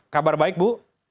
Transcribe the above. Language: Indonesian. kabar baik bu